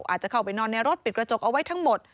อาจจะเข้าไปนอนในรถปิดกระจกเอาไว้ทั้งหมด